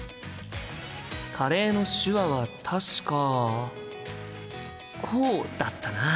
カレーの手話は確かこうだったな。